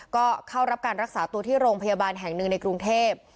ก็เข้ารับการรักษาตัวที่โรงพยาบาลแห่งหนึ่งในกรุงเทพ